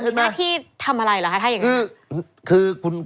หน้าที่ทำอะไรเหรอคะถ้าอย่างนี้